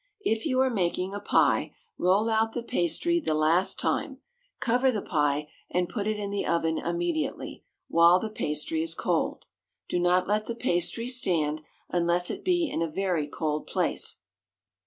If you are making a pie, roll out the pastry the last time, cover the pie, and put it in the oven immediately, while the pastry is cold. Do not let the pastry stand, unless it be in a very cold place.